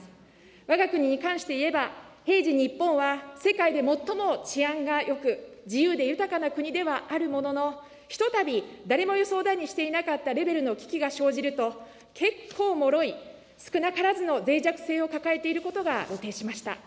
わが国に関して言えば、平時日本は、世界で最も治安がよく、自由で豊かな国ではあるものの、ひとたび誰も予想だにしていなかったレベルの危機が生じると、結構もろい、少なからずのぜい弱性を抱えていることが露呈しました。